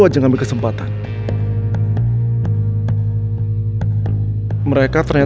jangan mukul mukul dong